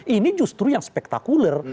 ini justru yang spektakuler